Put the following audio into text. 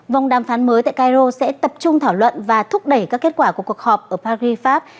vòng đàm phán mới tại cairo sẽ tập trung thảo luận và thúc đẩy các kết quả của cuộc họp ở paris pháp